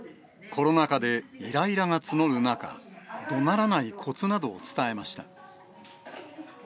コロナ禍で、いらいらが募る中、どならないこつなどを伝えました。